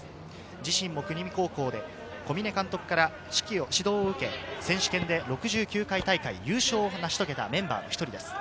自身も国見高校で小嶺監督から指導を受け、選手権で６９回大会優勝を成し遂げたメンバーの一人です。